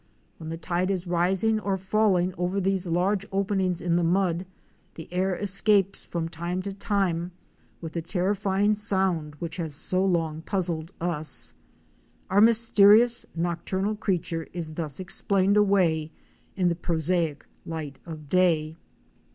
When the tide is rising or falling over these large openings in the mud, the air escapes from time to time with the terrifying sound which has so long puzzled us. Our mysterious nocturnal creature is thus explained away in the prosaic light of day.